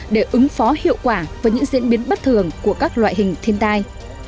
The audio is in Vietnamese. để ứng phó hiệu quả với những diễn biến bất thường của các loại hình thiên tai